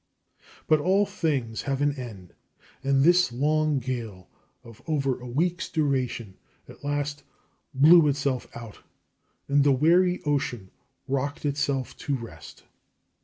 But all things have an end, and this long gale of over a week's duration at last blew itself out, and the weary ocean rocked itself to rest.